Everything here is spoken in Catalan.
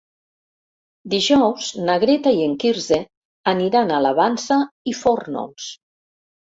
Dijous na Greta i en Quirze aniran a la Vansa i Fórnols.